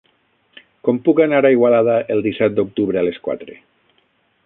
Com puc anar a Igualada el disset d'octubre a les quatre?